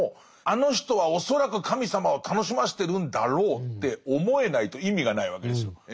「あの人は恐らく神様を楽しませてるんだろう」って思えないと意味がないわけですよ。